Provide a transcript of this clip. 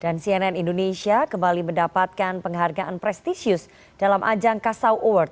dan cnn indonesia kembali mendapatkan penghargaan prestisius dalam ajang kasa world